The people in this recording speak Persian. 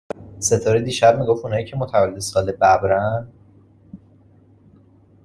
ستاره دیشب می گفت اونایی که متولد سال ببرن